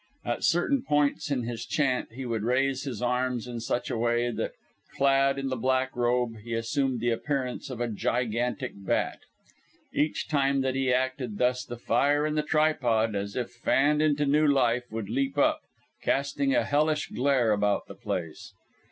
At certain points in his chant he would raise his arms in such a way that, clad in the black robe, he assumed the appearance of a gigantic bat. Each time that he acted thus the fire in the tripod, as if fanned into new life, would leap up, casting a hellish glare about the place.